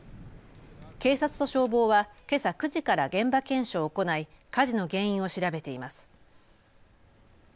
警察と消防はけさ９時から現場検証を行い火事の原因を調べています。